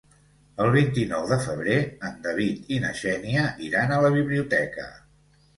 El vint-i-nou de febrer en David i na Xènia iran a la biblioteca.